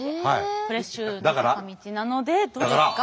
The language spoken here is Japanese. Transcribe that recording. フレッシュな坂道なのでどうですか？